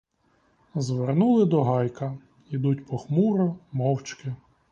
Звернули до гайка; ідуть похмуро, мовчки.